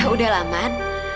udah lah man